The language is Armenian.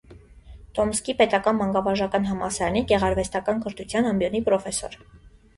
Տոմսկի պետական մանկավարժական համալսարանի գեղարվեստական կրթության ամբիոնի պրոֆեսոր։